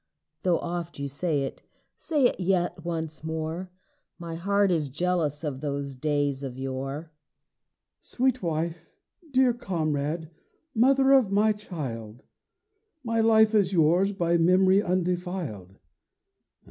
Though oft you say it, say it yet once more. My heart is jealous of those days of yore. HUSBAND Sweet wife, dear comrade, mother of my child, My life is yours by memory undefiled.